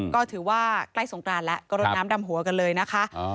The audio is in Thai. ก็ถือว่าใกล้สงกรานแล้วก็รดน้ำดำหัวกันเลยนะคะ